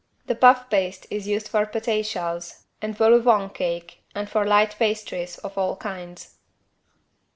The puff paste is used for paté shells and vol au vent cake and for light pastries of all kinds.